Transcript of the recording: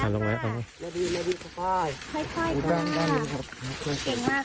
ห้ารักมาก